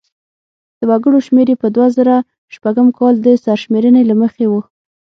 د وګړو شمیر یې په دوه زره شپږم کال د سرشمېرنې له مخې و.